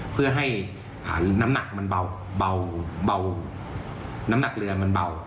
เพื่อให้น้ำหนักมันเบาน้ำหนักเรือมันเบา